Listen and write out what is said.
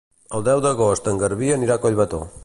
El deu d'agost en Garbí anirà a Collbató.